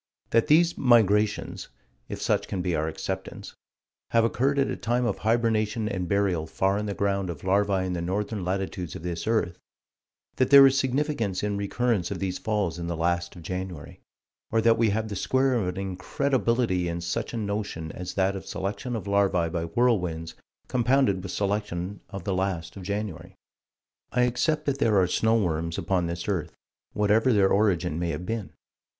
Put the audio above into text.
That these "migrations" if such can be our acceptance have occurred at a time of hibernation and burial far in the ground of larvae in the northern latitudes of this earth; that there is significance in recurrence of these falls in the last of January or that we have the square of an incredibility in such a notion as that of selection of larvae by whirlwinds, compounded with selection of the last of January. I accept that there are "snow worms" upon this earth whatever their origin may have been.